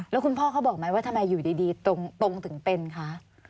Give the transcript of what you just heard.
แล้วคุณพ่อเขาบอกไหมว่าทำไมอยู่ดีตรงถึงเป็นคะ